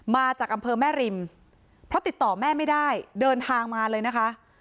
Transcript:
มาจากอำเภอแม่ริมเพราะติดต่อแม่ไม่ได้เดินทางมาเลยนะคะ